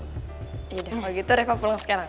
yaudah kalau gitu reva pulang sekarang